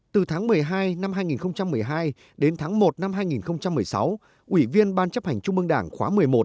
từ tháng một mươi hai năm hai nghìn một mươi hai đến tháng một năm hai nghìn một mươi sáu ủy viên ban chấp hành trung mương đảng khóa một mươi một